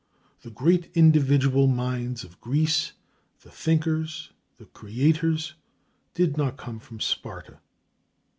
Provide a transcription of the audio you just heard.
The great individual minds of Greece, the thinkers, the creators, did not come from Sparta.